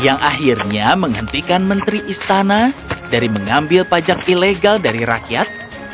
yang akhirnya menghentikan menteri istana dari mengambil pajak ilegal dari rakyat